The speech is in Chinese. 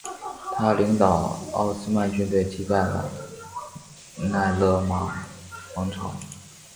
他领导奥斯曼军队击败了尕勒莽王朝。